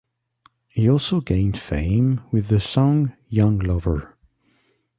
He also gained fame with the song "Young Lover".